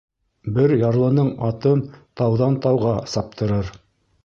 Бер ярлының атын тауҙан тауға саптырыр.